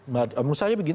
menurut saya begini